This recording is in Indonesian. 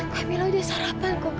kak mila udah sarapan kok kak